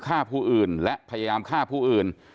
ฆ่าผู้อื่นและพยายามฆ่าผู้อื่น